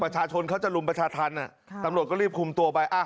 สำรวจก็รีบคุมตัวไป